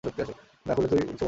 না খুললে সমূহ বিপদ পাঠক।